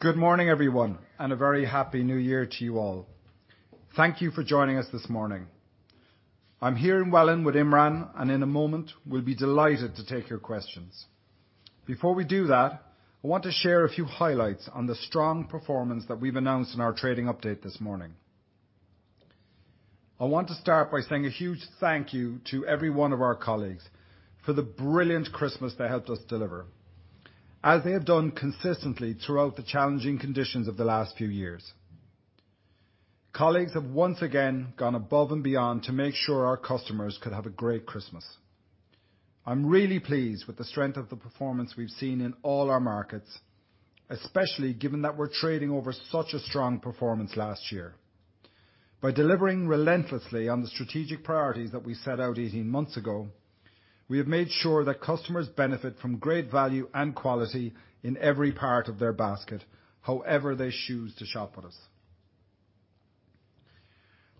Good morning, everyone, and a very happy New Year to you all. Thank you for joining us this morning. I'm here in Welwyn with Imran, and in a moment, we'll be delighted to take your questions. Before we do that, I want to share a few highlights on the strong performance that we've announced in our trading update this morning. I want to start by saying a huge thank you to every one of our colleagues for the brilliant Christmas they helped us deliver, as they have done consistently throughout the challenging conditions of the last few years. Colleagues have once again gone above and beyond to make sure our customers could have a great Christmas. I'm really pleased with the strength of the performance we've seen in all our markets, especially given that we're trading over such a strong performance last year. By delivering relentlessly on the strategic priorities that we set out 18 months ago, we have made sure that customers benefit from great value and quality in every part of their basket however they choose to shop with us.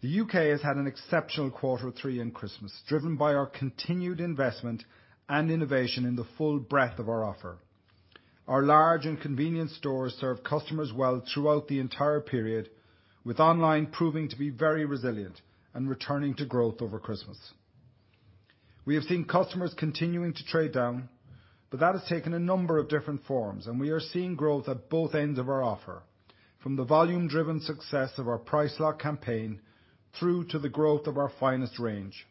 The U.K. has had an exceptional quarter three in Christmas, driven by our continued investment and innovation in the full breadth of our offer. Our large and convenient stores serve customers well throughout the entire period, with online proving to be very resilient and returning to growth over Christmas. We have seen customers continuing to trade down, but that has taken a number of different forms, and we are seeing growth at both ends of our offer, from the volume-driven success of our Price Lock campaign through to the growth of our Finest* range.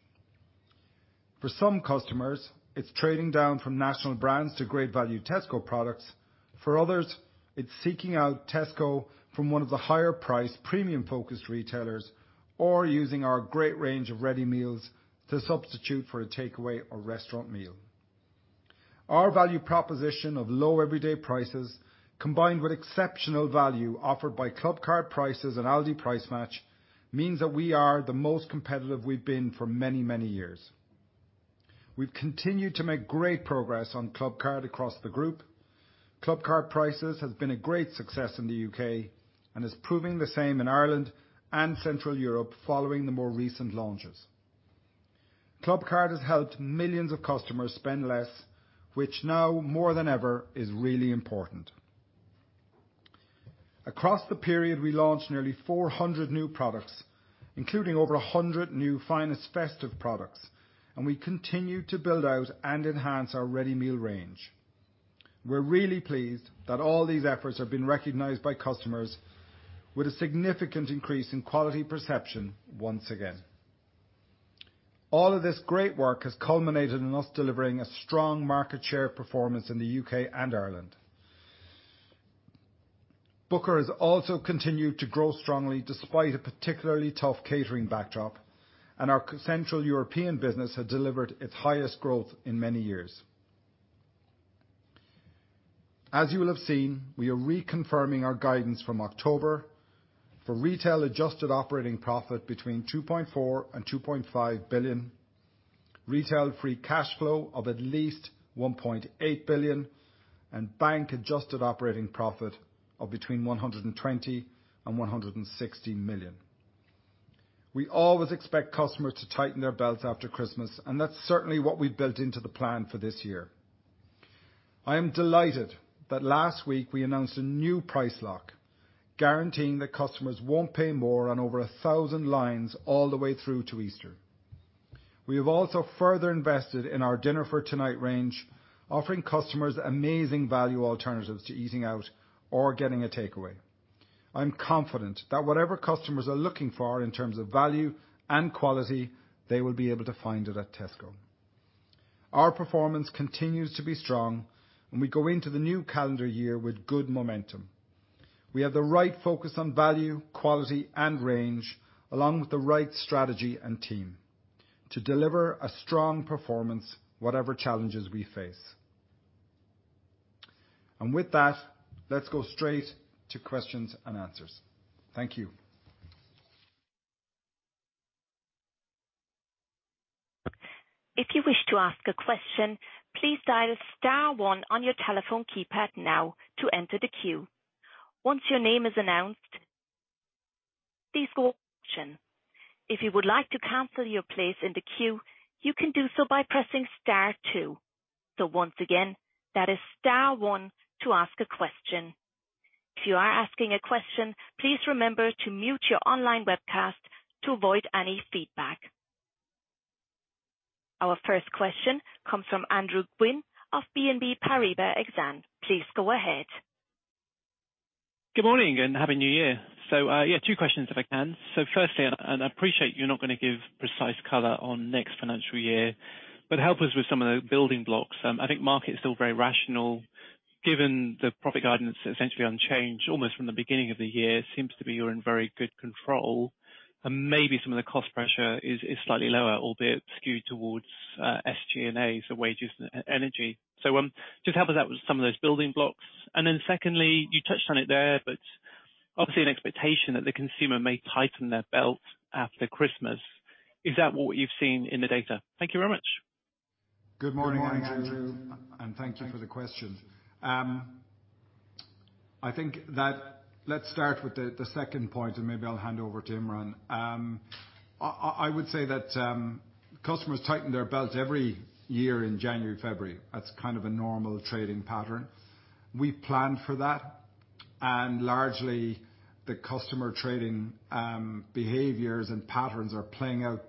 For some customers, it's trading down from national brands to great value Tesco products. For others, it's seeking out Tesco from one of the higher price premium-focused retailers or using our great range of ready meals to substitute for a takeaway or restaurant meal. Our value proposition of low everyday prices, combined with exceptional value offered by Clubcard Prices and Aldi Price Match, means that we are the most competitive we've been for many, many years. We've continued to make great progress on Clubcard across the group. Clubcard Prices has been a great success in the UK and is proving the same in Ireland and Central Europe following the more recent launches. Clubcard has helped millions of customers spend less, which now more than ever is really important. Across the period, we launched nearly 400 new products, including over 100 new Finest festive products, and we continued to build out and enhance our ready meal range. We're really pleased that all these efforts have been recognized by customers with a significant increase in quality perception once again. All of this great work has culminated in us delivering a strong market share performance in the U.K. and Ireland. Booker has also continued to grow strongly despite a particularly tough catering backdrop, and our Central European business has delivered its highest growth in many years. As you will have seen, we are reconfirming our guidance from October for retail adjusted operating profit between 2.4 billion and 2.5 billion, retail free cash flow of at least 1.8 billion, and bank adjusted operating profit of between 120 million and 160 million. We always expect customers to tighten their belts after Christmas, and that's certainly what we built into the plan for this year. I am delighted that last week we announced a new Price Lock guaranteeing that customers won't pay more on over 1,000 lines all the way through to Easter. We have also further invested in our Dinner for Tonight range, offering customers amazing value alternatives to eating out or getting a takeaway. I'm confident that whatever customers are looking for in terms of value and quality, they will be able to find it at Tesco. Our performance continues to be strong, and we go into the new calendar year with good momentum. We have the right focus on value, quality, and range, along with the right strategy and team to deliver a strong performance whatever challenges we face. With that, let's go straight to questions and answers. Thank you. If you wish to ask a question, please dial star one on your telephone keypad now to enter the queue. Once your name is announced, please go action. If you would like to cancel your place in the queue, you can do so by pressing star two. Once again, that is star one to ask a question. If you are asking a question, please remember to mute your online webcast to avoid any feedback. Our first question comes from Andrew Gwynn of BNP Paribas Exane. Please go ahead. Good morning and Happy New Year. Yeah, two questions if I can. Firstly, and I appreciate you're not gonna give precise color on next financial year, but help us with some of the building blocks. I think market's still very rational, given the profit guidance essentially unchanged almost from the beginning of the year seems to be you're in very good control and maybe some of the cost pressure is slightly lower, albeit skewed towards SG&A, so wages and energy. Just help us out with some of those building blocks. Secondly, you touched on it there, but obviously an expectation that the consumer may tighten their belt after Christmas. Is that what you've seen in the data? Thank you very much. Good morning, Andrew. Thank you for the question. Let's start with the second point. Maybe I'll hand over to Imran. I would say that customers tighten their belts every year in January, February. That's kind of a normal trading pattern. We plan for that. Largely the customer trading behaviors and patterns are playing out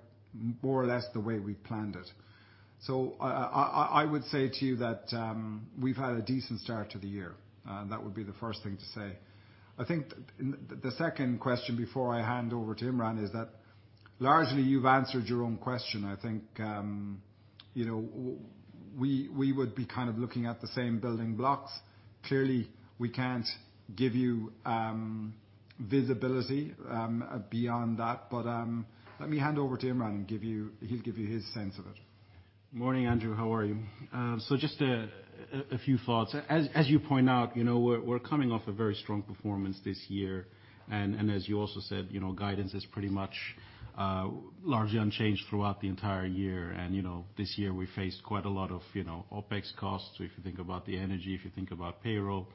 more or less the way we planned it. I would say to you that we've had a decent start to the year. That would be the first thing to say. I think the second question before I hand over to Imran is that largely you've answered your own question. I think, you know, we would be kind of looking at the same building blocks. Clearly, we can't give you visibility beyond that. Let me hand over to Imran and he'll give you his sense of it. Morning, Andrew. How are you? So just a few thoughts. As you point out, you know, we're coming off a very strong performance this year, and as you also said, you know, guidance is pretty much largely unchanged throughout the entire year. This year we faced quite a lot of, you know, OpEx costs, if you think about the energy, if you think about payroll,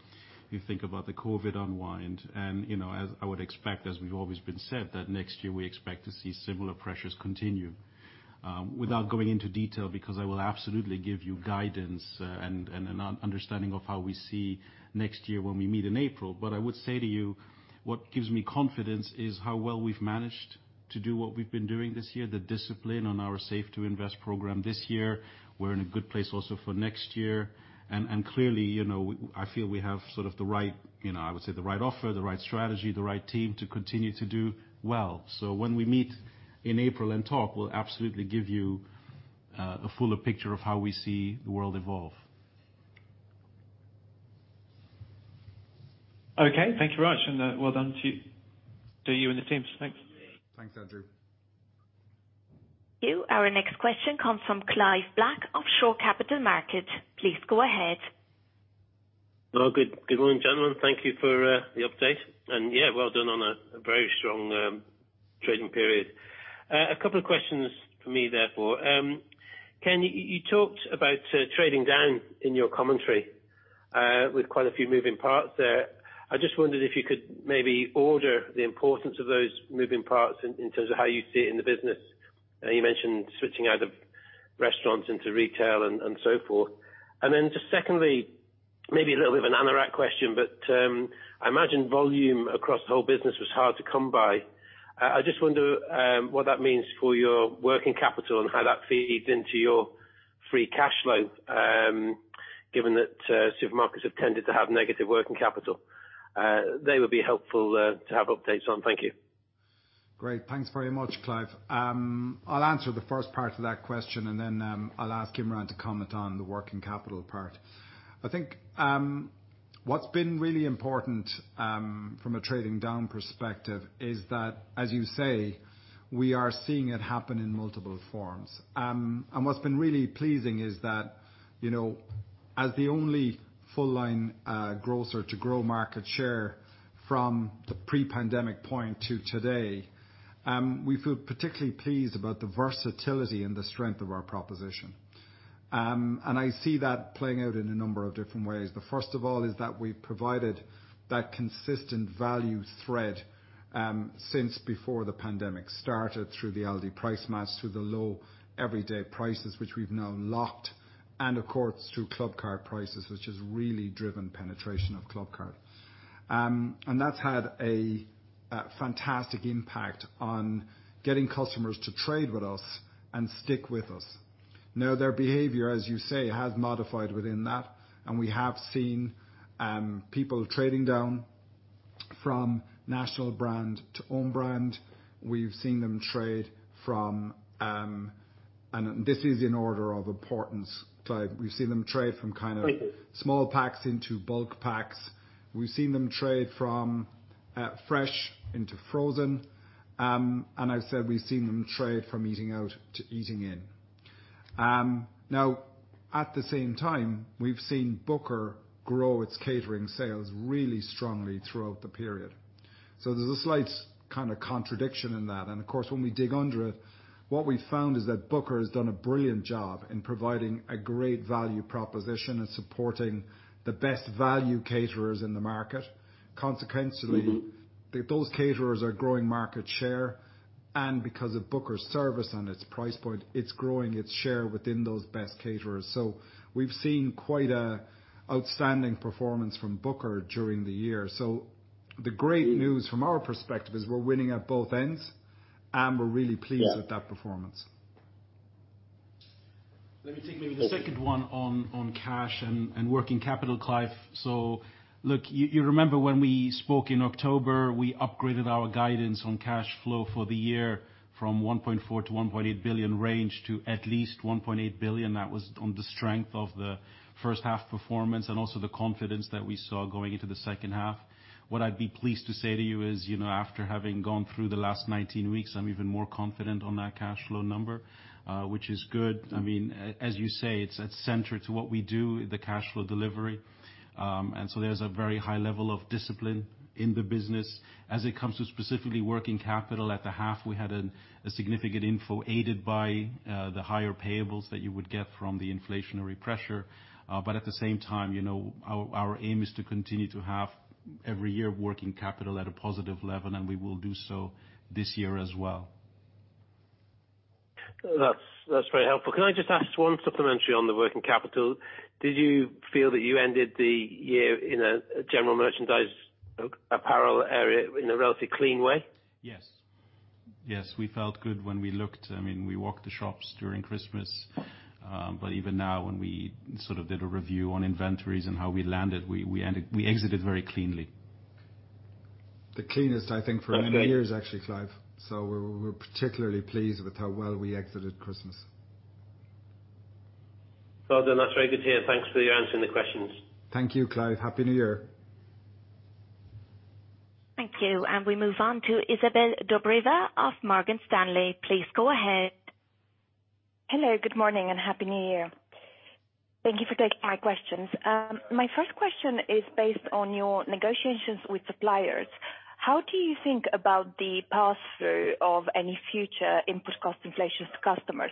if you think about the COVID unwind. As I would expect, as we've always been said, that next year we expect to see similar pressures continue. Without going into detail because I will absolutely give you guidance and an understanding of how we see next year when we meet in April. I would say to you what gives me confidence is how well we've managed to do what we've been doing this year, the discipline on our Save to Invest program this year. We're in a good place also for next year. Clearly, you know, I feel we have sort of the right, you know, I would say the right offer, the right strategy, the right team to continue to do well. When we meet in April and talk, we'll absolutely give you a fuller picture of how we see the world evolve. Okay. Thank you very much. Well done to you and the teams. Thanks. Thanks, Andrew. Our next question comes from Clive Black, Shore Capital Markets. Please go ahead. Well, good morning, gentlemen. Thank you for the update. Yeah, well done on a very strong trading period. A couple of questions for me therefore. Ken, you talked about trading down in your commentary with quite a few moving parts there. I just wondered if you could maybe order the importance of those moving parts in terms of how you see it in the business. You mentioned switching out of restaurants into retail and so forth. Then just secondly, maybe a little bit of an anorak question, but I imagine volume across the whole business was hard to come by. I just wonder what that means for your working capital and how that feeds into your free cash flow given that supermarkets have tended to have negative working capital. They would be helpful to have updates on. Thank you. Great. Thanks very much, Clive. I'll answer the first part of that question and then, I'll ask Imran to comment on the working capital part. I think, what's been really important, from a trading down perspective is that, as you say, we are seeing it happen in multiple forms. What's been really pleasing is that, you know, as the only full line, grocer to grow market share from the pre-pandemic point to today, we feel particularly pleased about the versatility and the strength of our proposition. I see that playing out in a number of different ways. The first of all is that we've provided that consistent value thread since before the pandemic started through the Aldi Price Match, through the low everyday prices which we've now locked, and of course, through Clubcard Prices, which has really driven penetration of Clubcard. That's had a fantastic impact on getting customers to trade with us and stick with us. Their behavior, as you say, has modified within that, and we have seen people trading down from national brand to own brand. We've seen them trade from, and this is in order of importance type. We've seen them trade from kind of small packs into bulk packs. We've seen them trade from fresh into frozen. I said we've seen them trade from eating out to eating in. Now at the same time, we've seen Booker grow its catering sales really strongly throughout the period. So there's a slight kind of contradiction in that. Of course, when we dig under it, what we found is that Booker has done a brilliant job in providing a great value proposition and supporting the best value caterers in the market. Consequently, those caterers are growing market share, and because of Booker's service and its price point, it's growing its share within those best caterers. We've seen quite a outstanding performance from Booker during the year. The great news from our perspective is we're winning at both ends, and we're really pleased with that performance. Let me take maybe the second one on cash and working capital, Clive. Look, you remember when we spoke in October, we upgraded our guidance on cash flow for the year from 1.4 billion-1.8 billion range to at least 1.8 billion. That was on the strength of the first half performance and also the confidence that we saw going into the second half. What I'd be pleased to say to you is, you know, after having gone through the last 19 weeks, I'm even more confident on that cash flow number, which is good. I mean, as you say, it's at center to what we do, the cash flow delivery. There's a very high level of discipline in the business. As it comes to specifically working capital, at the half, we had a significant info aided by the higher payables that you would get from the inflationary pressure. At the same time, you know, our aim is to continue to have every year working capital at a positive level, and we will do so this year as well. That's very helpful. Can I just ask one supplementary on the working capital? Did you feel that you ended the year in a general merchandise apparel area in a relatively clean way? Yes. Yes, we felt good when we looked. I mean, we walked the shops during Christmas, even now when we sort of did a review on inventories and how we landed, we exited very cleanly. The cleanest, I think. Okay ...for many years, actually, Clive. We're particularly pleased with how well we exited Christmas. That's very good to hear. Thanks for answering the questions. Thank you, Clive. Happy New Year. Thank you. We move on to Izabel Dobreva of Morgan Stanley, please go ahead. Hello, good morning, and happy New Year. Thank you for taking my questions. My first question is based on your negotiations with suppliers. How do you think about the pass-through of any future input cost inflation to customers?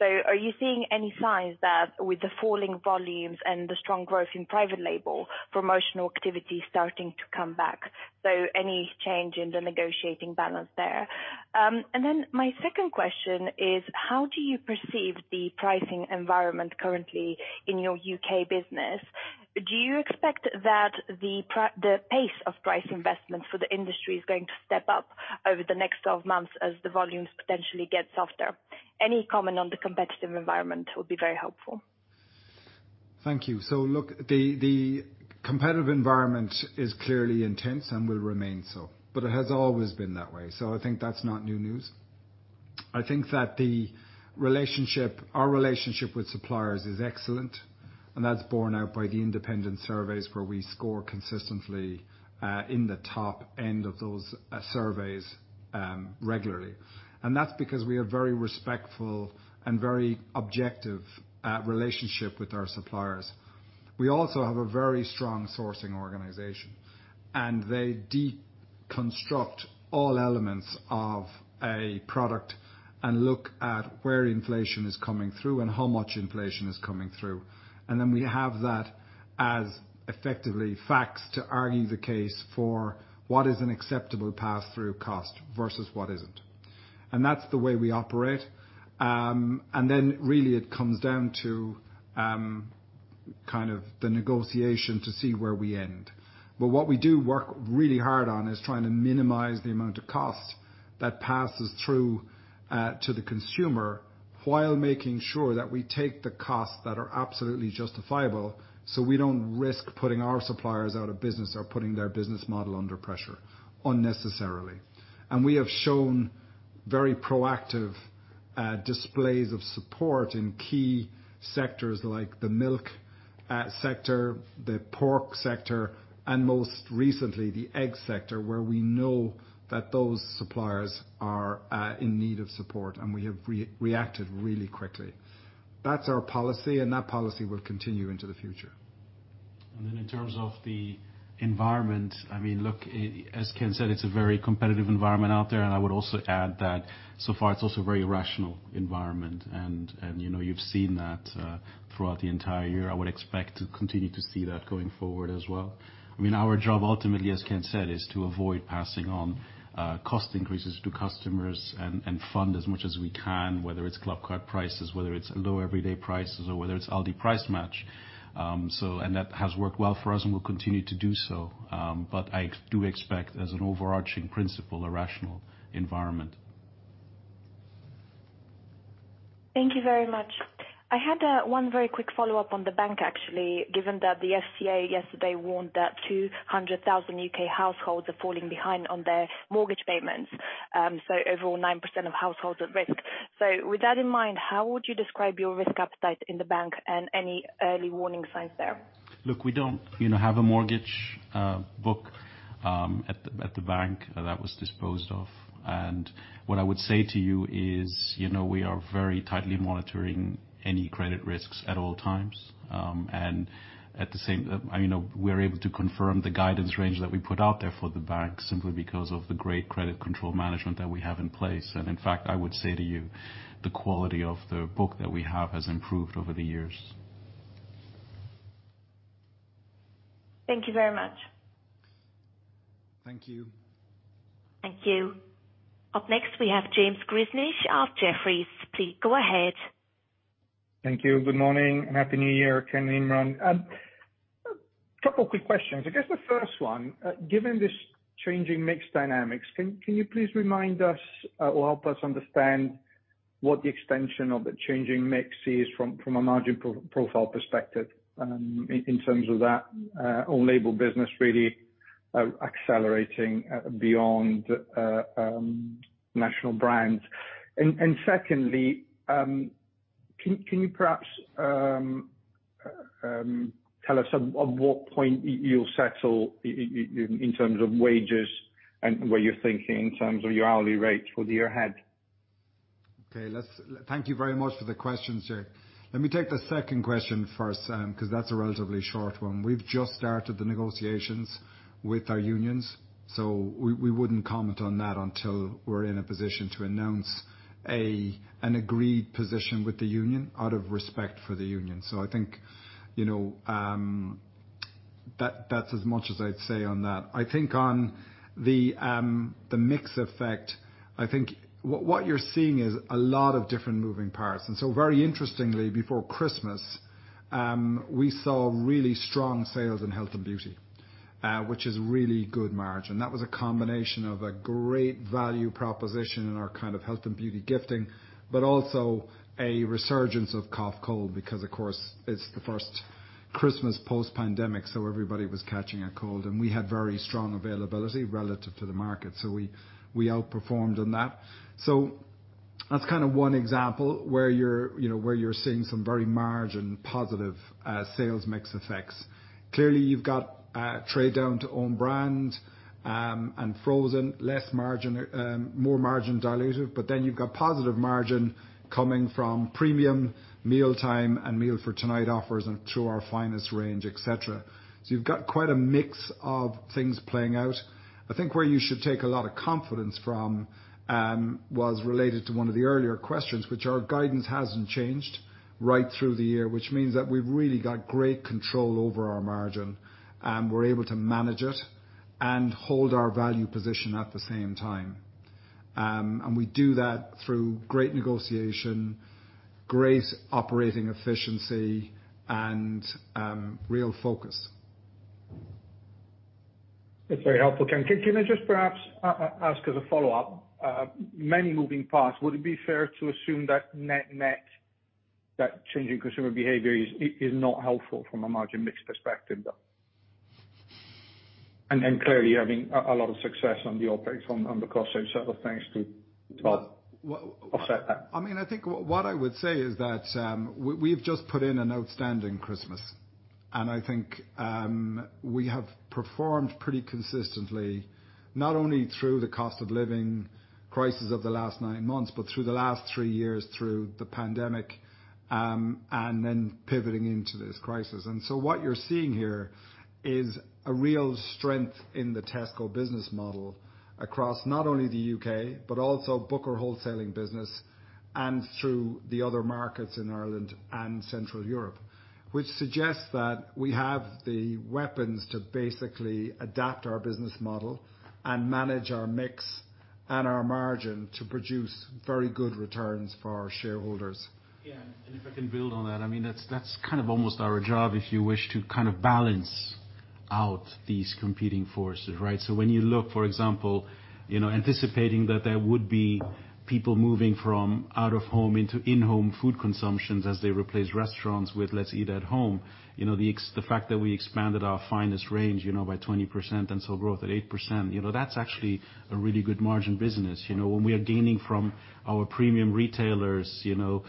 Are you seeing any signs that with the falling volumes and the strong growth in private label promotional activity starting to come back, so any change in the negotiating balance there? My second question is, how do you perceive the pricing environment currently in your UK business? Do you expect that the pace of price investment for the industry is going to step up over the next 12 months as the volumes potentially get softer? Any comment on the competitive environment will be very helpful. Thank you. Look, the competitive environment is clearly intense and will remain so, but it has always been that way. I think that's not new news. I think that our relationship with suppliers is excellent, and that's borne out by the independent surveys where we score consistently in the top end of those surveys regularly. That's because we are very respectful and very objective at relationship with our suppliers. We also have a very strong sourcing organization, and they deconstruct all elements of a product and look at where inflation is coming through and how much inflation is coming through. We have that as effectively facts to argue the case for what is an acceptable pass-through cost versus what isn't. That's the way we operate. Really it comes down to kind of the negotiation to see where we end. What we do work really hard on is trying to minimize the amount of cost that passes through to the consumer while making sure that we take the costs that are absolutely justifiable, so we don't risk putting our suppliers out of business or putting their business model under pressure unnecessarily. We have shown very proactive displays of support in key sectors like the milk sector, the pork sector, and most recently, the egg sector, where we know that those suppliers are in need of support, and we have reacted really quickly. That's our policy, and that policy will continue into the future. In terms of the environment, I mean, look, as Ken said, it's a very competitive environment out there, and I would also add that so far, it's also a very rational environment and you know, you've seen that throughout the entire year. I would expect to continue to see that going forward as well. I mean, our job ultimately, as Ken said, is to avoid passing on cost increases to customers and fund as much as we can, whether it's Clubcard Prices, whether it's low everyday prices or whether it's Aldi Price Match. That has worked well for us and will continue to do so. I do expect as an overarching principle, a rational environment. Thank you very much. I had, one very quick follow-up on the bank, actually. Given that the FCA yesterday warned that 200,000 U.K. households are falling behind on their mortgage payments, overall, 9% of households at risk. With that in mind, how would you describe your risk appetite in the bank and any early warning signs there? Look, we don't, you know, have a mortgage book at the bank that was disposed of. What I would say to you is, you know, we are very tightly monitoring any credit risks at all times. I mean, we're able to confirm the guidance range that we put out there for the bank simply because of the great credit control management that we have in place. In fact, I would say to you, the quality of the book that we have has improved over the years. Thank you very much. Thank you. Thank you. Up next, we have James Grzinic of Jefferies. Please go ahead. Thank you. Good morning and Happy New Year, Ken, Imran. Couple quick questions. I guess the first one, given this changing mix dynamics, can you please remind us or help us understand what the extension of the changing mix is from a margin profile perspective, in terms of that own label business really accelerating beyond national brands? Secondly, can you perhaps tell us at what point you'll settle in terms of wages and what you're thinking in terms of your hourly rates for the year ahead? Okay. Thank you very much for the questions, James. Let me take the second question first, 'cause that's a relatively short one. We've just started the negotiations with our unions, so we wouldn't comment on that until we're in a position to announce an agreed position with the union out of respect for the union. I think, you know, that's as much as I'd say on that. I think on the mix effect, I think what you're seeing is a lot of different moving parts. Very interestingly, before Christmas, we saw really strong sales in health and beauty, which is really good margin. That was a combination of a great value proposition in our kind of health and beauty gifting, also a resurgence of cough, cold because, of course, it's the first Christmas post-pandemic, everybody was catching a cold. We had very strong availability relative to the market, we outperformed on that. That's kind of one example where you're, you know, where you're seeing some very margin positive sales mix effects. Clearly, you've got trade down to own brands, and frozen, more margin dilutive, you've got positive margin coming from premium mealtime and Dinner for Tonight offers and through our Finest* range, et cetera. You've got quite a mix of things playing out. I think where you should take a lot of confidence from, was related to one of the earlier questions, which our guidance hasn't changed right through the year, which means that we've really got great control over our margin, and we're able to manage it and hold our value position at the same time. We do that through great negotiation, great operating efficiency, and real focus. That's very helpful. Can I just perhaps ask as a follow-up, many moving parts, would it be fair to assume that net-net, that changing consumer behavior is not helpful from a margin mix perspective, though? Clearly having a lot of success on the operations and the cost side of things to, well, offset that. I mean, I think what I would say is that, we've just put in an outstanding Christmas. I think, we have performed pretty consistently, not only through the cost of living crisis of the last nine months, but through the last three years through the pandemic, and then pivoting into this crisis. What you're seeing here is a real strength in the Tesco business model across not only the UK, but also Booker wholesaling business and through the other markets in Ireland and Central Europe, which suggests that we have the weapons to basically adapt our business model and manage our mix and our margin to produce very good returns for our shareholders. Yeah. If I can build on that, I mean, that's kind of almost our job, if you wish, to kind of balance out these competing forces, right? When you look, for example, you know, anticipating that there would be people moving from out of home into in-home food consumptions as they replace restaurants with let's eat at home, you know, the fact that we expanded our Finest* range, you know, by 20% and saw growth at 8%, you know, that's actually a really good margin business. You know, when we are gaining from our premium retailers, you know,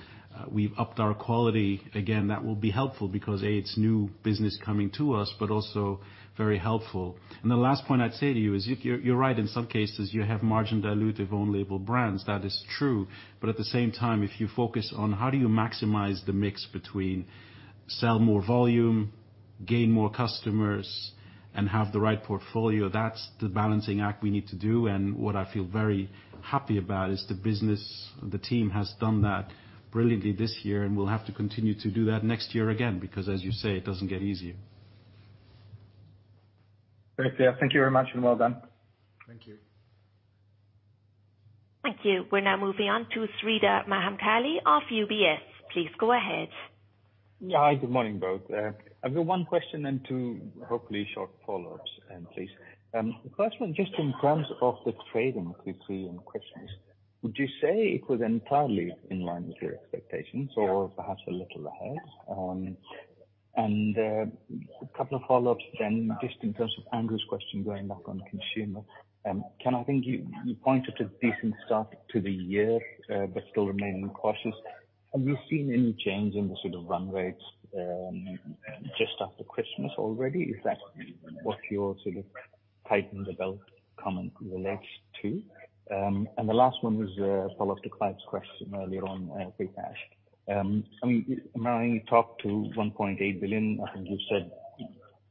we've upped our quality. Again, that will be helpful because, A, it's new business coming to us, but also very helpful. The last point I'd say to you is you're right. In some cases, you have margin dilutive own label brands. That is true. At the same time, if you focus on how do you maximize the mix between sell more volume, gain more customers, and have the right portfolio, that's the balancing act we need to do. What I feel very happy about is the business, the team has done that brilliantly this year, and we'll have to continue to do that next year again, because as you say, it doesn't get easier. Great. Yeah. Thank you very much, and well done. Thank you. Thank you. We're now moving on to Sreedhar Mahamkali of UBS. Please go ahead. Yeah. Hi, good morning, both. I've got one question and two hopefully short follow-ups then please. The first one, just in terms of the trading quickly and questions, would you say it was entirely in line with your expectations or perhaps a little ahead on? A couple of follow-ups then, just in terms of Andrew's question going back on consumer. Ken, I think you pointed to decent stuff to the year, but still remaining cautious. Have you seen any change in the sort of run rates, just after Christmas already? Is that what your sort of tighten the belt comment relates to? The last one was a follow-up to Clive's question earlier on, free cash. I mean, I know you talked to 1.8 billion. I think you said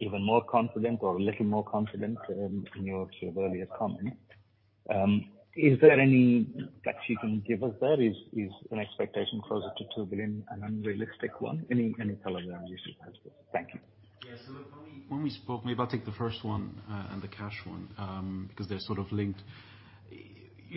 even more confident or a little more confident in your sort of earlier comment. Is there any flex you can give us there? Is an expectation closer to 2 billion an unrealistic one? Any color there you can add. Thank you. Look, when we spoke, maybe I'll take the first one and the cash one, 'cause they're sort of linked. You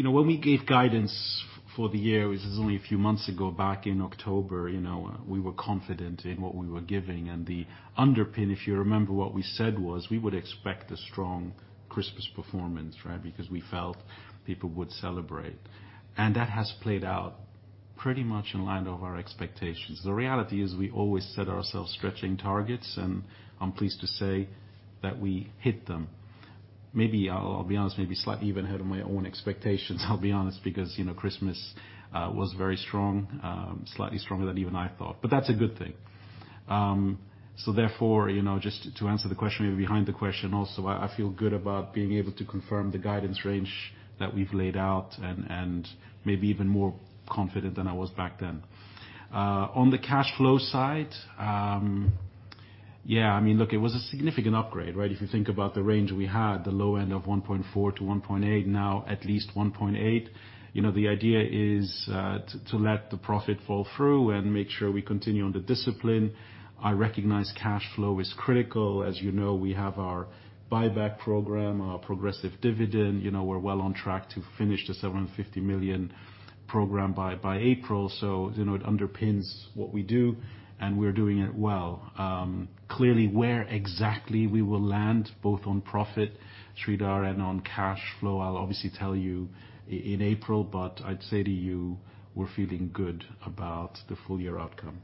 know, when we gave guidance for the year, which is only a few months ago back in October, you know, we were confident in what we were giving. The underpin, if you remember what we said, was we would expect a strong Christmas performance, right? Because we felt people would celebrate. That has played out pretty much in line of our expectations. The reality is we always set ourselves stretching targets, and I'm pleased to say that we hit them. Maybe I'll be honest, maybe slightly even ahead of my own expectations I'll be honest, because, you know, Christmas was very strong, slightly stronger than even I thought. That's a good thing. Therefore, you know, just to answer the question, maybe behind the question also, I feel good about being able to confirm the guidance range that we've laid out and maybe even more confident than I was back then. On the cash flow side. I mean, look, it was a significant upgrade, right? If you think about the range we had, the low end of 1.4-1.8, now at least 1.8. The idea is to let the profit fall through and make sure we continue on the discipline. I recognize cash flow is critical. As you know, we have our buyback program, our progressive dividend. We're well on track to finish the 750 million program by April. It underpins what we do, and we're doing it well. Clearly, where exactly we will land, both on profit, Sreedhar, and on cash flow, I'll obviously tell you in April. I'd say to you, we're feeling good about the full year outcome.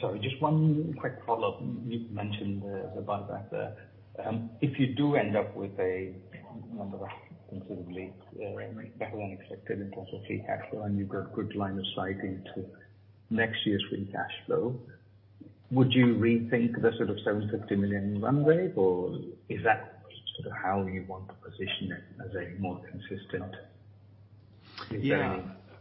Sorry, just one quick follow-up. You mentioned the buyback there. If you do end up with a number considerably better than expected in terms of free cash flow, and you've got good line of sight into next year's free cash flow, would you rethink the sort of 750 million runway, or is that sort of how you want to position it as a more consistent? Yeah,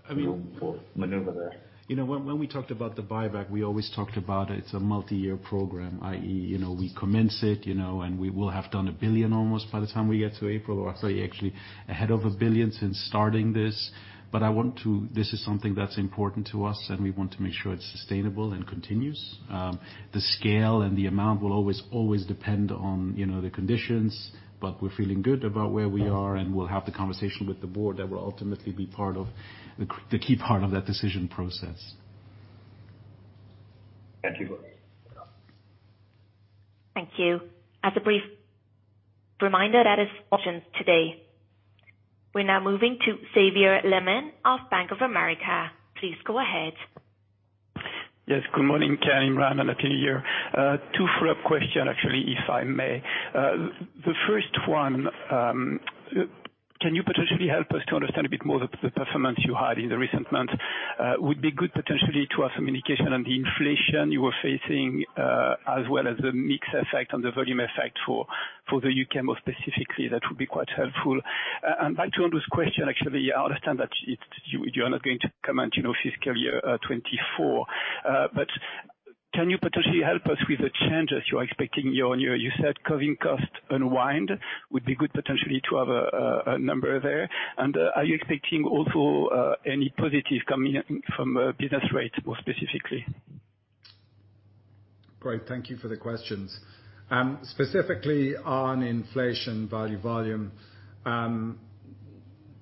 I mean. maneuver there? You know, when we talked about the buyback, we always talked about it's a multi-year program, i.e., you know, we commence it, you know, and we will have done 1 billion almost by the time we get to April. Sorry, actually ahead of 1 billion since starting this. This is something that's important to us, and we want to make sure it's sustainable and continues. The scale and the amount will always depend on, you know, the conditions. We're feeling good about where we are, and we'll have the conversation with the board that will ultimately be part of the key part of that decision process. Thank you. Thank you. A brief reminder that is options today. We're now moving to Xavier Lemoine of Bank of America. Please go ahead. Yes. Good morning, Ken, Imran, and Natalie here. 2 follow-up question, actually, if I may. The first one, can you potentially help us to understand a bit more the performance you had in the recent months? Would be good potentially to have some indication on the inflation you were facing, as well as the mix effect and the volume effect for the U.K. more specifically. That would be quite helpful. Back to Andrew's question, actually, I understand that you're not going to comment, you know, fiscal year 2024. Can you potentially help us with the changes you're expecting on your, you said, covering cost unwind. Would be good potentially to have a number there. Are you expecting also any positive coming in from business rates more specifically? Great. Thank you for the questions. Specifically on inflation value volume,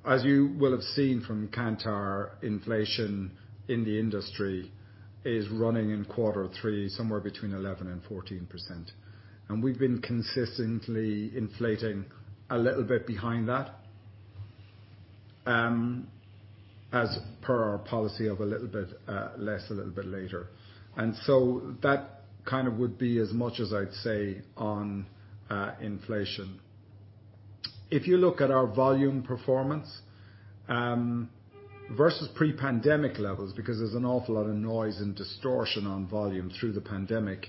as you will have seen from Kantar, inflation in the industry is running in Q3, somewhere between 11%-14%. We've been consistently inflating a little bit behind that, as per our policy of a little bit less a little bit later. That kind of would be as much as I'd say on inflation. If you look at our volume performance, versus pre-pandemic levels, because there's an awful lot of noise and distortion on volume through the pandemic,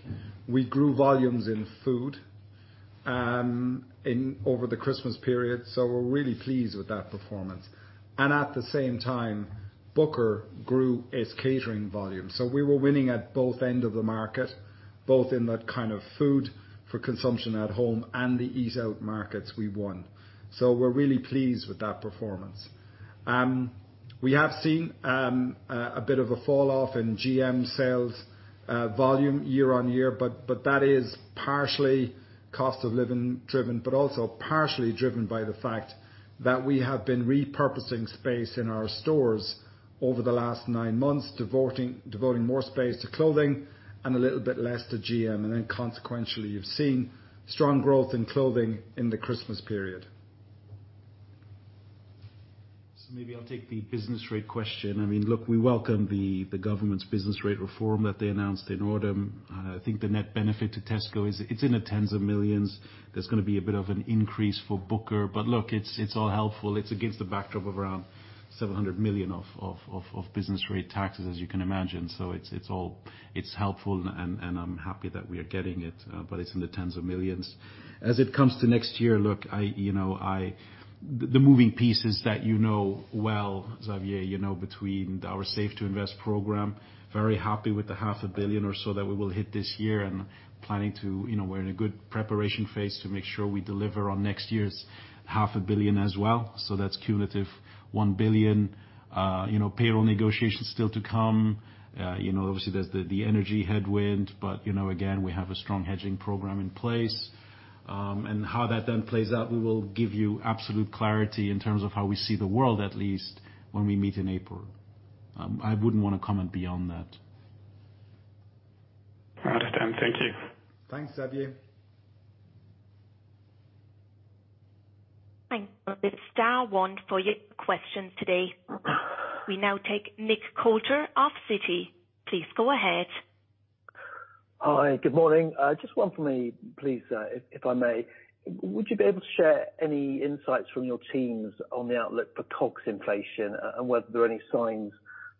we grew volumes in food over the Christmas period. We're really pleased with that performance. Booker grew its catering volume. We were winning at both end of the market, both in that kind of food for consumption at home and the eat out markets we won. We're really pleased with that performance. We have seen a bit of a falloff in GM sales volume year-on-year, but that is partially cost of living driven, but also partially driven by the fact that we have been repurposing space in our stores over the last nine months, devoting more space to clothing and a little bit less to GM. Consequentially, you've seen strong growth in clothing in the Christmas period. Maybe I'll take the business rate question. I mean look, we welcome the government's business rate reform that they announced in autumn. I think the net benefit to Tesco is it's in the tens of millions. There's gonna be a bit of an increase for Booker. Look, it's all helpful. It's against the backdrop of around 700 million of business rate taxes, as you can imagine. It's helpful and I'm happy that we are getting it, but it's in the tens of millions. As it comes to next year, look, I, you know, The moving pieces that you know well, Xavier, you know, between our Save to Invest program, very happy with the half a billion or so that we will hit this year and planning to. You know, we're in a good preparation phase to make sure we deliver on next year's half a billion as well. That's cumulative 1 billion. You know, payroll negotiations still to come. you know, obviously, there's the energy headwind, but, you know, again, we have a strong hedging program in place. How that then plays out, we will give you absolute clarity in terms of how we see the world, at least when we meet in April. I wouldn't wanna comment beyond that. I understand. Thank you. Thanks, Xavier. Thanks. It's dial one for your questions today. We now take Nick Coulter of Citi. Please go ahead. Hi. Good morning. Just one for me, please, if I may. Would you be able to share any insights from your teams on the outlet for COGS inflation and whether there are any signs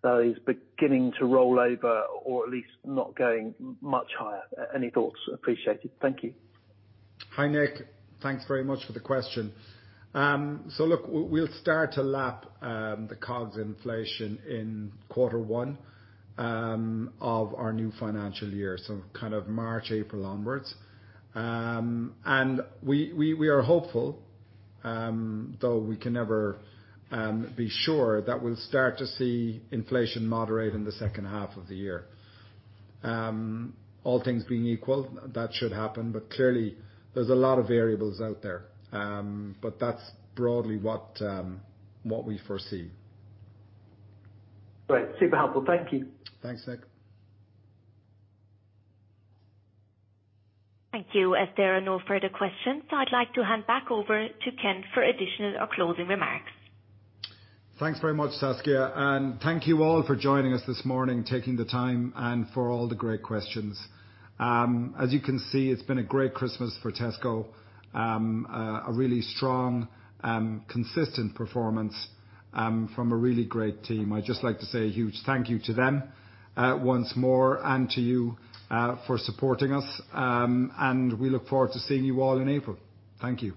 that is beginning to roll over or at least not going much higher? Any thoughts appreciated. Thank you. Hi, Nick. Thanks very much for the question. We'll start to lap the COGS inflation in Q1 of our new financial year, so kind of March, April onwards. We are hopeful, though we can never be sure that we'll start to see inflation moderate in the second half of the year. All things being equal, that should happen, but clearly there's a lot of variables out there. That's broadly what we foresee. Great. Super helpful. Thank you. Thanks, Nick. Thank you. As there are no further questions, I'd like to hand back over to Ken for additional or closing remarks. Thanks very much, Saskia. Thank you all for joining us this morning, taking the time and for all the great questions. As you can see, it's been a great Christmas for Tesco. A really strong, consistent performance from a really great team. I'd just like to say a huge thank you to them, once more and to you, for supporting us. We look forward to seeing you all in April. Thank you.